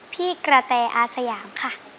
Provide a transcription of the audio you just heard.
พี่กระแตอาสยามค่ะ